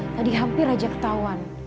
tadi hampir aja ketauan